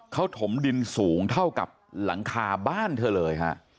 เขาถมดินสูงเท่ากับหลังคาบ้านเธอเลยฮะ